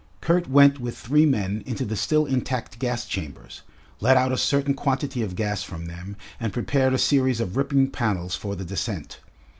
Kurt went with three men into the still intact gas chambers, let out a certain quantity of gas from them, and prepared a series of ripping panels for the descent.